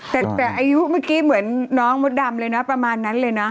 แต่อายุเมื่อกี้เหมือนน้องมดดำเลยนะประมาณนั้นเลยนะ